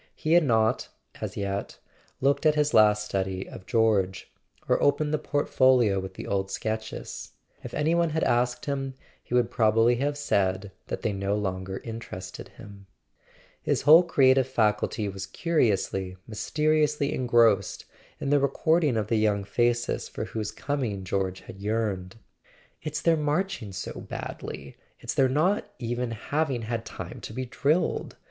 He had not, as yet, looked at his last study of George, or opened [ 412 ] A SON AT THE FRONT the portfolio with the old sketches; if any one had asked him, he would probably have said that they no longer in¬ terested him. His whole creative faculty was curiously, mysteriously engrossed in the recording of the young faces for whose coming George had yearned. "It's their marching so badly—it's their not even having had time to be drilled!"